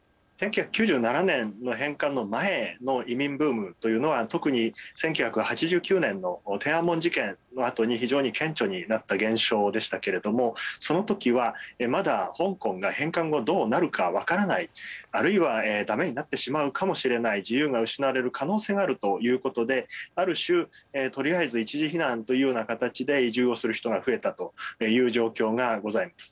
１９９７年の返還の前の移民ブームというのは特に１９８９年の天安門事件のあとに非常に顕著になった現象でしたけれどもそのときは、まだ香港が返還後、どうなるか分からないあるいは、だめになってしまうかもしれない自由が失われる可能性があるということである種、取りあえず一時避難というような形で移住をする人が増えたという状況がございます。